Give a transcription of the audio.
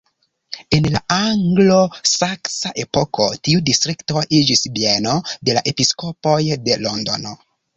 En la anglo-saksa epoko tiu distrikto iĝis bieno de la episkopoj de Londono.